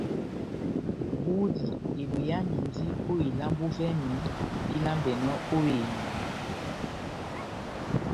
Budi ebweyamindi ó ilambo vɛ́mi vílambɛnɔ ó ehiyi.